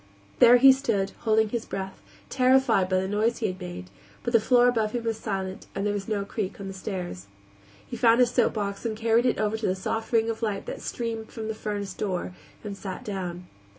There he stood, holding his breath, terrified by the noise he had made, but the floor above him was silent, and there was no creak on the stairs. He found a soapbox, and carried it over to the soft ring of light that streamed from the furnace door, and sat down.